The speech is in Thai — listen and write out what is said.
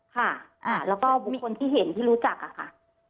ค่ะแล้วก็บุคคลที่เห็นที่รู้จักอะค่ะ